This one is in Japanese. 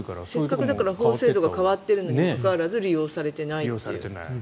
せっかく法制度が変わっているにもかかわらず利用されていないという。